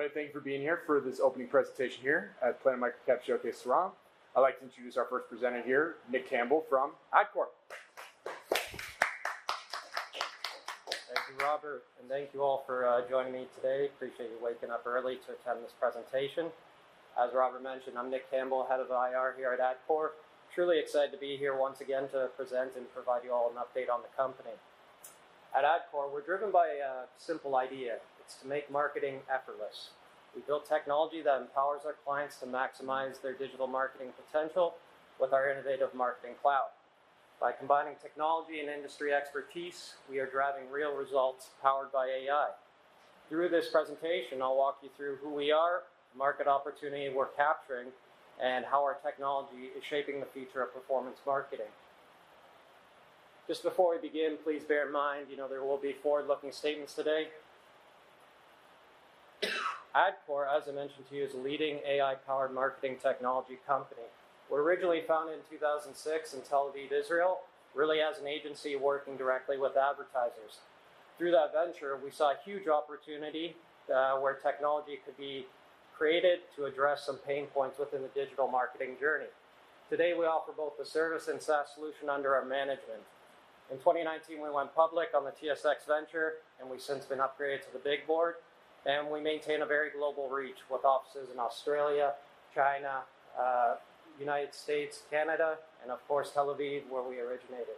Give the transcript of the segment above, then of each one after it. Hello, everybody. Thank you for being here for this opening presentation here at Planet Microcap Showcase. I'd like to introduce our first presenter here, Nick Campbell from Adcore. Thank you, Robert, and thank you all for joining me today. Appreciate you waking up early to attend this presentation. As Robert mentioned, I'm Nick Campbell, head of IR here at Adcore. Truly excited to be here once again to present and provide you all an update on the company. At Adcore, we're driven by a simple idea. It's to make marketing effortless. We build technology that empowers our clients to maximize their digital marketing potential with our innovative marketing cloud. By combining technology and industry expertise, we are driving real results powered by AI. Through this presentation, I'll walk you through who we are, the market opportunity we're capturing, and how our technology is shaping the future of performance marketing. Just before we begin, please bear in mind there will be forward-looking statements today. Adcore, as I mentioned to you, is a leading AI-powered marketing technology company. We were originally founded in 2006 in Tel Aviv, Israel, really as an agency working directly with advertisers. Through that venture, we saw a huge opportunity where technology could be created to address some pain points within the digital marketing journey. Today, we offer both a service and SaaS solution under our management. In 2019, we went public on the TSX Venture, and we've since been upgraded to the big board, and we maintain a very global reach with offices in Australia, China, the United States, Canada, and of course, Tel Aviv, where we originated.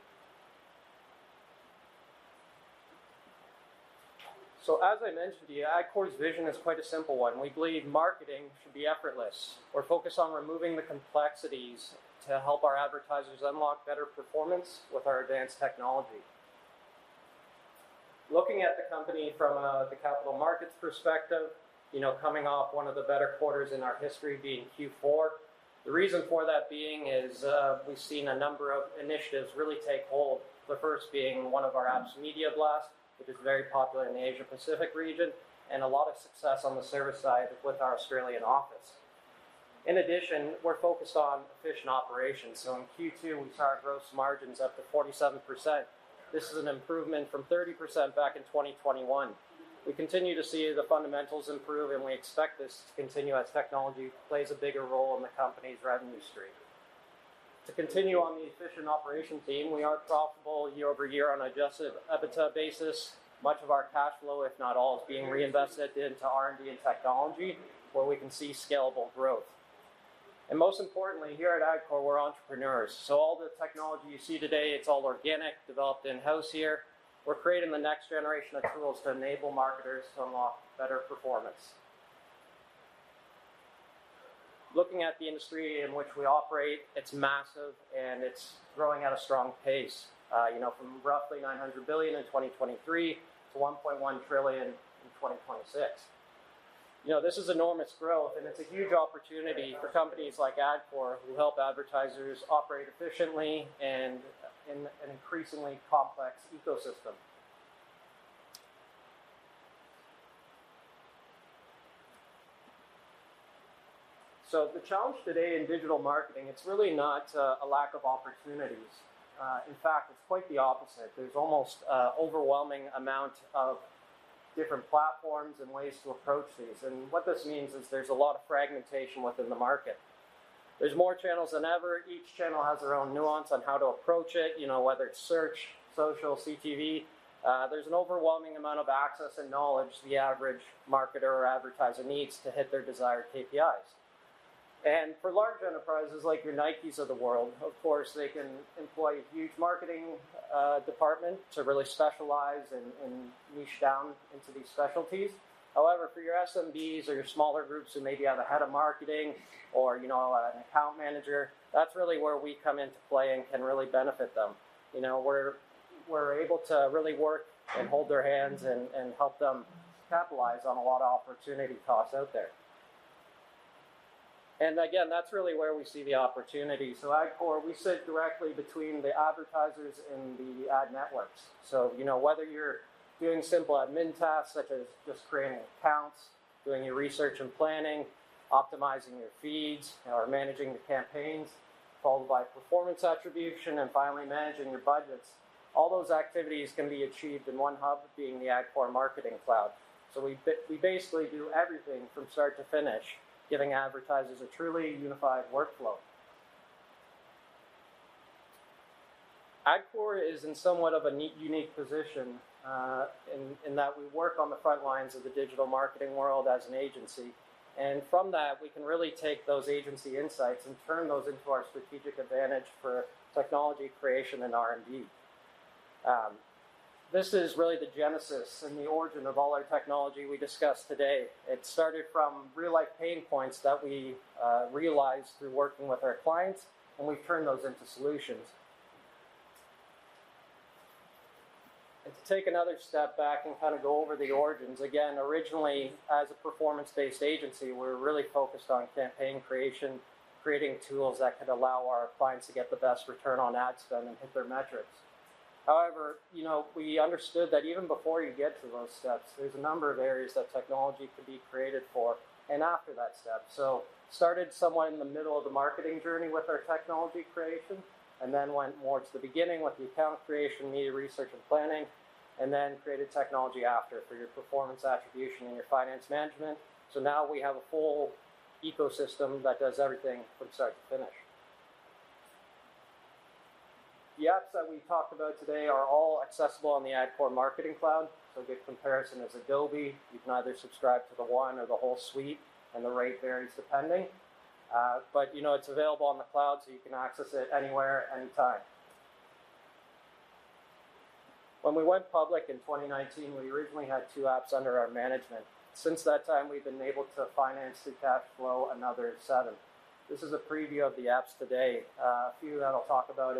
So as I mentioned to you, Adcore's vision is quite a simple one. We believe marketing should be effortless. We're focused on removing the complexities to help our advertisers unlock better performance with our advanced technology. Looking at the company from the capital markets perspective, coming off one of the better quarters in our history being Q4, the reason for that being is we've seen a number of initiatives really take hold, the first being one of our apps, Media Blast, which is very popular in the Asia-Pacific region, and a lot of success on the service side with our Australian office. In addition, we're focused on efficient operations. So, in Q2, we saw our gross margins up to 47%. This is an improvement from 30% back in 2021. We continue to see the fundamentals improve, and we expect this to continue as technology plays a bigger role in the company's revenue stream. To continue on the efficient operations team, we are profitable year over year on an adjusted EBITDA basis. Much of our cash flow, if not all, is being reinvested into R&D and technology, where we can see scalable growth. And most importantly, here at Adcore, we're entrepreneurs. So, all the technology you see today, it's all organic, developed in-house here. We're creating the next generation of tools to enable marketers to unlock better performance. Looking at the industry in which we operate, it's massive, and it's growing at a strong pace, from roughly $900 billion in 2023 to $1.1 trillion in 2026. This is enormous growth, and it's a huge opportunity for companies like Adcore who help advertisers operate efficiently in an increasingly complex ecosystem. So, the challenge today in digital marketing, it's really not a lack of opportunities. In fact, it's quite the opposite. There's almost an overwhelming amount of different platforms and ways to approach these. What this means is there's a lot of fragmentation within the market. There's more channels than ever. Each channel has their own nuance on how to approach it, whether it's search, social, CTV. There's an overwhelming amount of access and knowledge the average marketer or advertiser needs to hit their desired KPIs. And for large enterprises like your Nikes of the world, of course, they can employ a huge marketing department to really specialize and niche down into these specialties. However, for your SMBs or your smaller groups who may be out ahead of marketing or an account manager, that's really where we come into play and can really benefit them. We're able to really work and hold their hands and help them capitalize on a lot of opportunity costs out there. And again, that's really where we see the opportunity. So, Adcore, we sit directly between the advertisers and the ad networks. So, whether you're doing simple admin tasks such as just creating accounts, doing your research and planning, optimizing your feeds, or managing the campaigns, followed by performance attribution, and finally managing your budgets, all those activities can be achieved in one hub, being the Adcore Marketing Cloud. So, we basically do everything from start to finish, giving advertisers a truly unified workflow. Adcore is in somewhat of a unique position in that we work on the front lines of the digital marketing world as an agency. And from that, we can really take those agency insights and turn those into our strategic advantage for technology creation and R&D. This is really the genesis and the origin of all our technology we discuss today. It started from real-life pain points that we realized through working with our clients, and we've turned those into solutions and to take another step back and kind of go over the origins, again, originally, as a performance-based agency, we were really focused on campaign creation, creating tools that could allow our clients to get the best return on ad spend and hit their metrics. However, we understood that even before you get to those steps, there's a number of areas that technology could be created for and after that step, started somewhere in the middle of the marketing journey with our technology creation, and then went more to the beginning with the account creation, media research, and planning, and then created technology after for your performance attribution and your finance management. Now we have a full ecosystem that does everything from start to finish. The apps that we talked about today are all accessible on the Adcore Marketing Cloud, so a good comparison is Adobe. You can either subscribe to the one or the whole suite, and the rate varies depending, but it's available on the cloud, so you can access it anywhere, anytime. When we went public in 2019, we originally had two apps under our management. Since that time, we've been able to finance, cash flow, and other in seven. This is a preview of the apps today. A few that I'll talk about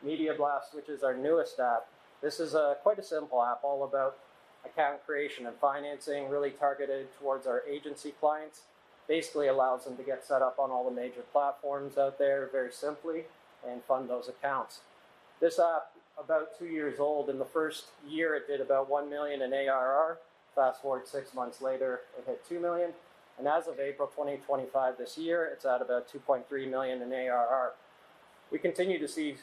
is Media Blast, which is our newest app. This is quite a simple app, all about account creation and financing, really targeted towards our agency clients. Basically, it allows them to get set up on all the major platforms out there very simply and fund those accounts. This app, about two years old, in the first year, it did about $1 million in ARR. Fast forward six months later, it hit 2 million. And as of April 2025 this year, it's at about 2.3 million in ARR. We continue to see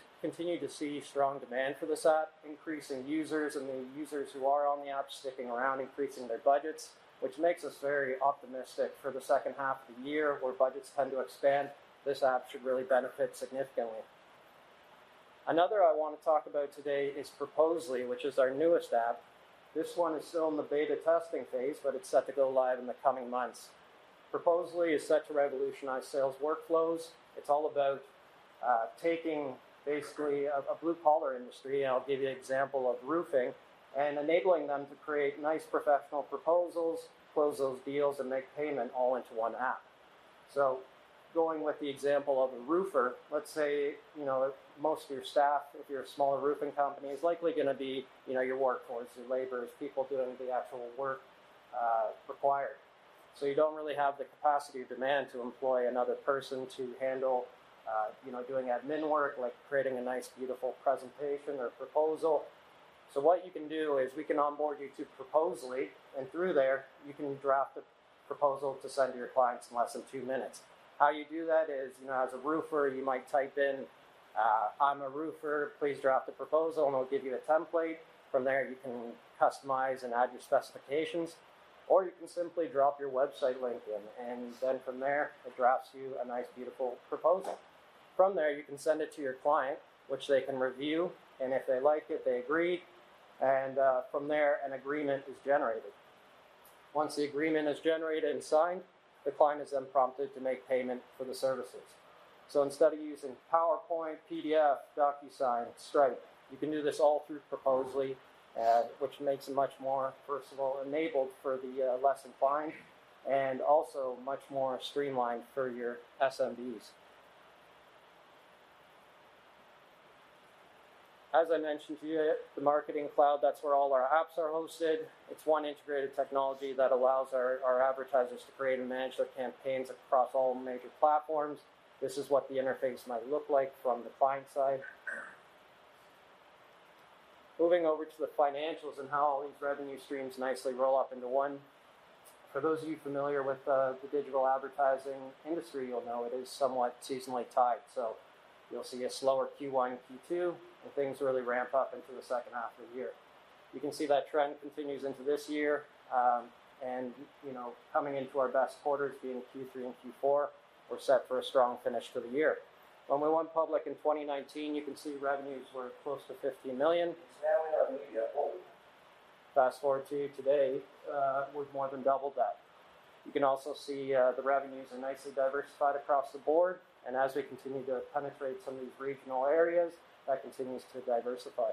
strong demand for this app, increasing users and the users who are on the app sticking around, increasing their budgets, which makes us very optimistic for the second half of the year, where budgets tend to expand. This app should really benefit significantly. Another I want to talk about today is Proposaly, which is our newest app. This one is still in the beta testing phase, but it's set to go live in the coming months. Proposaly is set to revolutionize sales workflows. It's all about taking basically a blue-collar industry, and I'll give you an example of roofing, and enabling them to create nice professional proposals, close those deals, and make payment all into one app, so going with the example of a roofer, let's say most of your staff at your smaller roofing company is likely going to be your workforce, your laborers, people doing the actual work required, so you don't really have the capacity or demand to employ another person to handle doing admin work, like creating a nice, beautiful presentation or proposal, so what you can do is we can onboard you to Proposaly, and through there, you can draft a proposal to send to your clients in less than two minutes. How you do that is, as a roofer, you might type in, "I'm a roofer. Please draft a proposal," and it'll give you a template. From there, you can customize and add your specifications, or you can simply drop your website link in, and then from there, it drafts you a nice, beautiful proposal. From there, you can send it to your client, which they can review, and if they like it, they agree, and from there, an agreement is generated. Once the agreement is generated and signed, the client is then prompted to make payment for the services. So, instead of using PowerPoint, PDF, DocuSign, Stripe, you can do this all through Proposaly, which makes it much more personally enabled for the less inclined and also much more streamlined for your SMBs. As I mentioned to you, the Marketing Cloud, that's where all our apps are hosted. It's one integrated technology that allows our advertisers to create and manage their campaigns across all major platforms. This is what the interface might look like from the client side. Moving over to the financials and how all these revenue streams nicely roll up into one. For those of you familiar with the digital advertising industry, you'll know it is somewhat seasonally tied. So, you'll see a slower Q1, Q2, and things really ramp up into the second half of the year. You can see that trend continues into this year, and coming into our best quarters, being Q3 and Q4, we're set for a strong finish for the year. When we went public in 2019, you can see revenues were close to 15 million. Fast forward to today, we've more than doubled that. You can also see the revenues are nicely diversified across the board, and as we continue to penetrate some of these regional areas, that continues to diversify.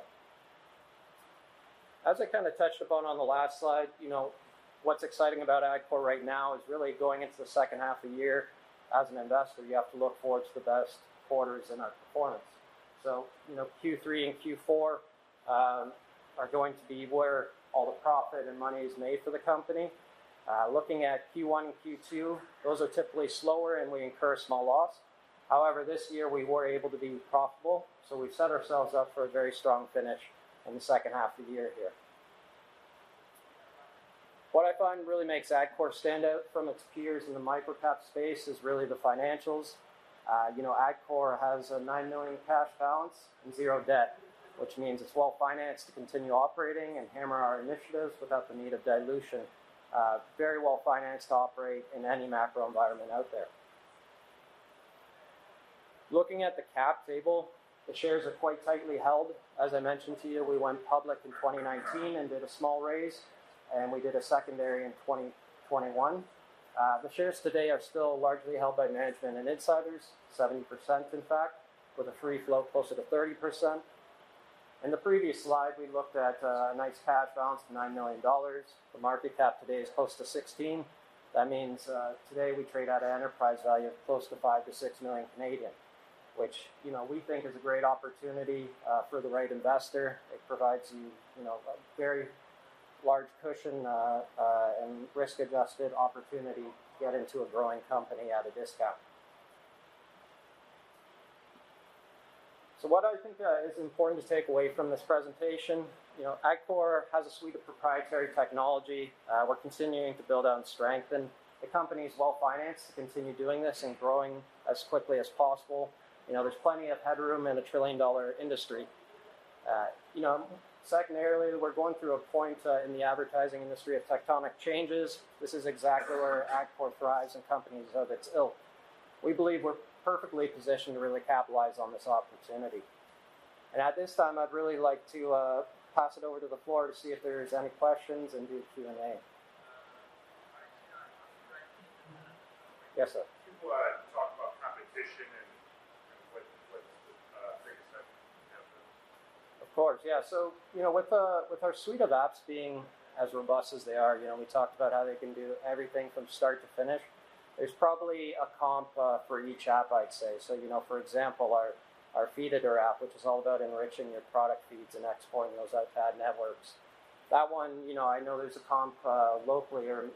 As I kind of touched upon on the last slide, what's exciting about Adcore right now is really going into the second half of the year, as an investor, you have to look forward to the best quarters in our performance. So, Q3 and Q4 are going to be where all the profit and money is made for the company. Looking at Q1 and Q2, those are typically slower, and we incur small loss. However, this year, we were able to be profitable, so we've set ourselves up for a very strong finish in the second half of the year here. What I find really makes Adcore stand out from its peers in the microcap space is really the financials. Adcore has a 9 million cash balance and zero debt, which means it's well-financed to continue operating and hammer our initiatives without the need of dilution. Very well-financed to operate in any macro environment out there. Looking at the cap table, the shares are quite tightly held. As I mentioned to you, we went public in 2019 and did a small raise, and we did a secondary in 2021. The shares today are still largely held by management and insiders, 70% in fact, with a free float closer to 30%. In the previous slide, we looked at a nice cash balance of 9 million dollars. The market cap today is close to 16. That means today we trade at an enterprise value of close to 5-6 million Canadian, which we think is a great opportunity for the right investor. It provides you a very large cushion and risk-adjusted opportunity to get into a growing company at a discount. So, what I think is important to take away from this presentation. Adcore has a suite of proprietary technology. We're continuing to build on strength, and the company is well-financed to continue doing this and growing as quickly as possible. There's plenty of headroom in a trillion-dollar industry. Secondarily, we're going through a point in the advertising industry of tectonic changes. This is exactly where Adcore thrives and companies of its ilk. We believe we're perfectly positioned to really capitalize on this opportunity, and at this time, I'd really like to pass it over to the floor to see if there are any questions and do a Q&A. Yes, sir? Can you talk about competition and what triggers that? Of course, yeah. So, with our suite of apps being as robust as they are, we talked about how they can do everything from start to finish. There's probably a comp for each app, I'd say. So, for example, our Feeditor app, which is all about enriching your product feeds and exporting those out to ad networks. That one, I know there's a comp locally or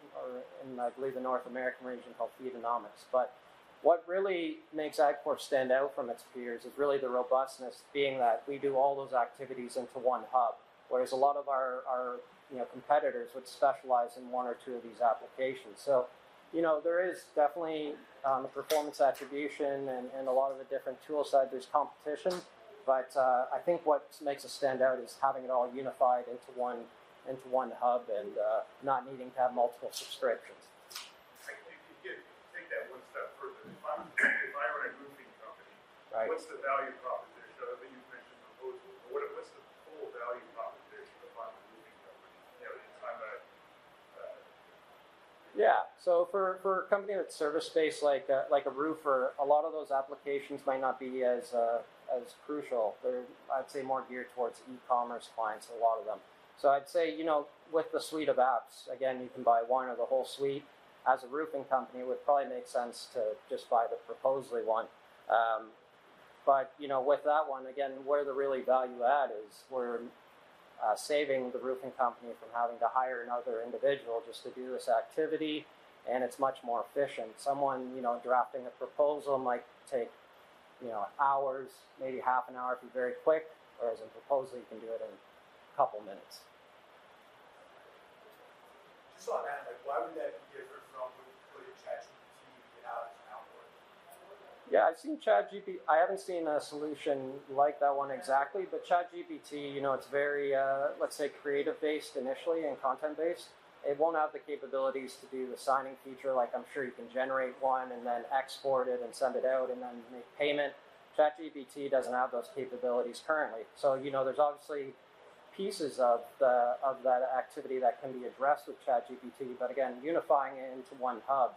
in, I believe, the North American region called Feedonomics. But what really makes Adcore stand out from its peers is really the robustness, being that we do all those activities into one hub, whereas a lot of our competitors would specialize in one or two of these applications. So, there is definitely a performance attribution and a lot of the different tools, I'd say. There's competition, but I think what makes us stand out is having it all unified into one hub and not needing to have multiple subscriptions. Take that one step further. If I were a roofing company, what's the value proposition? I think you mentioned Proposaly. What's the full value proposition of a roofing company in time? Yeah. So, for a company in the service space like a roofer, a lot of those applications might not be as crucial. They're, I'd say, more geared towards e-commerce clients, a lot of them. So, I'd say with the suite of apps, again, you can buy one or the whole suite. As a roofing company, it would probably make sense to just buy the Proposaly one. But with that one, again, where the really value add is we're saving the roofing company from having to hire another individual just to do this activity, and it's much more efficient. Someone drafting a proposal might take hours, maybe half an hour if you're very quick, whereas in Proposaly, you can do it in a couple of minutes. Just on that, why would that be different from putting ChatGPT and how it's now working? Yeah, I haven't seen a solution like that one exactly, but ChatGPT, it's very, let's say, creative-based initially and content-based. It won't have the capabilities to do the signing feature. I'm sure you can generate one and then export it and send it out and then make payment. ChatGPT doesn't have those capabilities currently. So, there's obviously pieces of that activity that can be addressed with ChatGPT, but again, unifying it into one hub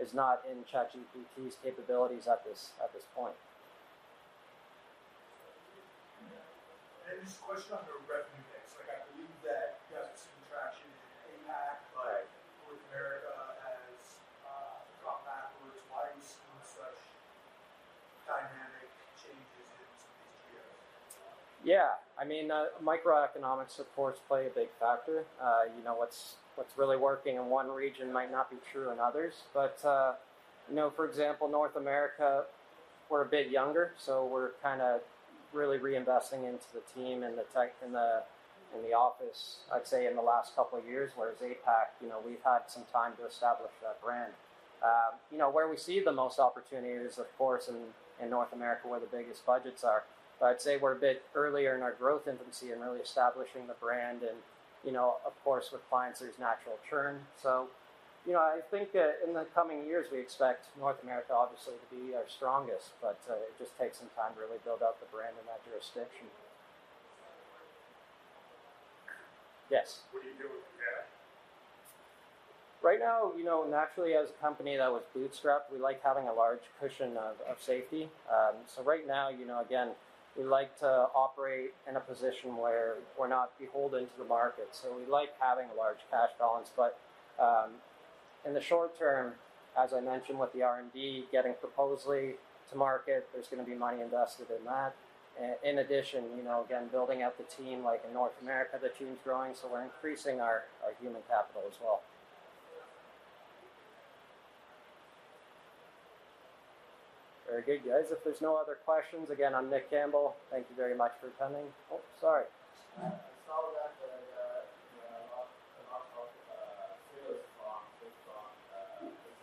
is not in ChatGPT's capabilities at this point. Just a question on the revenue mix. I believe that you guys have seen traction in APAC, but North America has gone backwards. Why are you seeing such dynamic changes in some of these geos? Yeah. I mean, microeconomic supports play a big factor. What's really working in one region might not be true in others, but for example, North America, we're a bit younger, so we're kind of really reinvesting into the team and the office, I'd say, in the last couple of years, whereas APAC, we've had some time to establish that brand. Where we see the most opportunity is, of course, in North America, where the biggest budgets are, but I'd say we're a bit earlier in our growth infancy in really establishing the brand. And, of course, with clients, there's natural churn. So, I think in the coming years, we expect North America, obviously, to be our strongest, but it just takes some time to really build out the brand in that jurisdiction. Yes. What do you do with your cash? Right now, naturally, as a company that was bootstrapped, we like having a large cushion of safety. So, right now, again, we like to operate in a position where we're not beholden to the market. So, we like having a large cash balance. But in the short term, as I mentioned, with the R&D getting Proposaly to market, there's going to be money invested in that. In addition, again, building out the team like in North America, the team's growing, so we're increasing our human capital as well. Very good, guys. If there's no other questions, again, I'm Nick Campbell. Thank you very much for attending. Oh, sorry. I saw that a lot of sales from different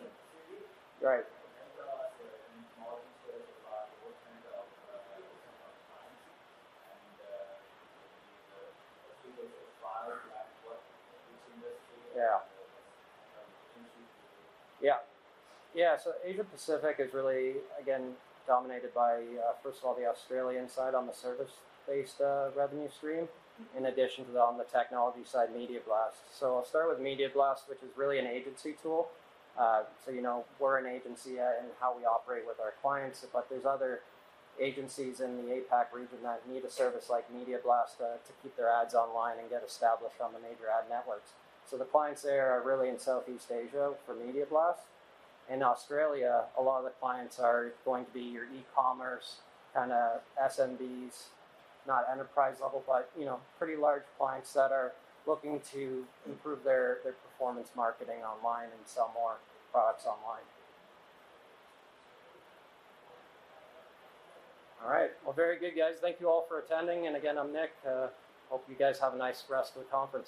cities. Right. And small details about what kind of clients. And the people that apply to each industry, what's the potential to... Yeah. Yeah. So, Asia-Pacific is really, again, dominated by, first of all, the Australian side on the service-based revenue stream, in addition to the technology side, Media Blast. So, I'll start with Media Blast, which is really an agency tool. So, we're an agency in how we operate with our clients, but there's other agencies in the APAC region that need a service like Media Blast to keep their ads online and get established on the major ad networks. So, the clients there are really in Southeast Asia for Media Blast. In Australia, a lot of the clients are going to be your e-commerce kind of SMBs, not enterprise level, but pretty large clients that are looking to improve their performance marketing online and sell more products online. All right. Well, very good, guys. Thank you all for attending. And again, I'm Nick. Hope you guys have a nice rest of the conference.